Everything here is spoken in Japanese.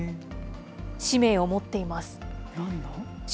使命を持っています。